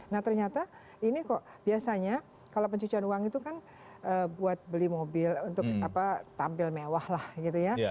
nah ternyata ini kok biasanya kalau pencucian uang itu kan buat beli mobil untuk tampil mewah lah gitu ya